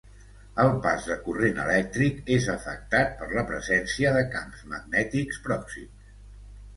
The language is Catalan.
El pas de corrent elèctric és afectat per la presència de camps magnètics pròxims.